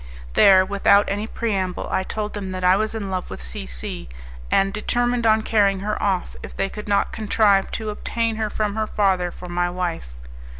There, without any preamble, I told them that I was in love with C C , and determined on carrying her off if they could not contrive to obtain her from her father for my wife.